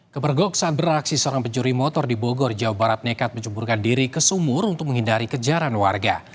kepergok saat beraksi seorang pencuri motor di bogor jawa barat nekat menceburkan diri ke sumur untuk menghindari kejaran warga